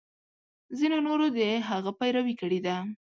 ځینو نورو د هغه پیروي کړې ده.